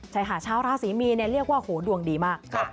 ใช่ค่ะชาวราศีมีนเรียกว่าโหดวงดีมาก